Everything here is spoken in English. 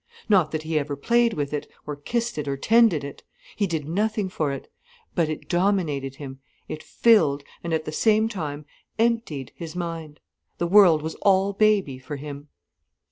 Not that he ever played with it, or kissed it, or tended it. He did nothing for it. But it dominated him, it filled, and at the same time emptied his mind. The world was all baby for him.